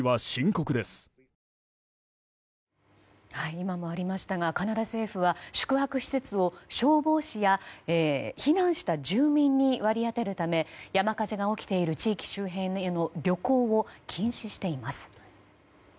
今もありましたがカナダ政府は宿泊施設を消防士や避難した住民に割り当てるため山火事が起きている地域周辺への旅行を禁止しています。